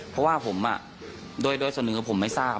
เพราะว่าผมโดยส่วนหนึ่งผมไม่ทราบ